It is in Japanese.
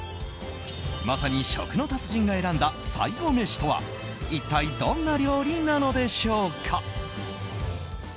まさに食の達人が選んだ最後メシとは一体どんな料理なのでしょうか。